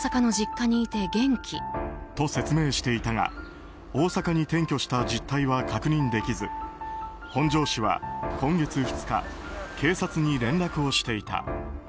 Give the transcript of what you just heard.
と説明していたが大阪に転居していた実態は確認できず本庄市は、今月２日警察に連絡をしていた。